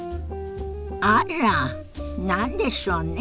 あら何でしょうね？